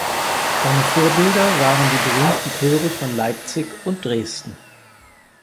Seine Vorbilder waren die berühmten Chöre von Leipzig und Dresden.